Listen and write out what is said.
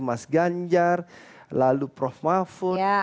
mas ganjar lalu prof mahfud